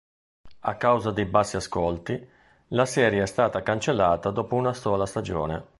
A causa dei bassi ascolti, la serie è stata cancellata dopo una sola stagione.